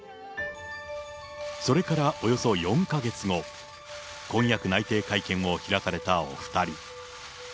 それからおよそ４か月後、婚約内定会見を開かれたお２人。